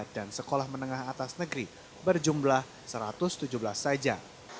dan sekolah menengah atas negeri berjumlah satu ratus tujuh belas saja